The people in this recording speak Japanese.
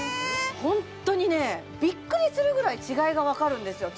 ホントにねびっくりするぐらい違いが分かるんですよ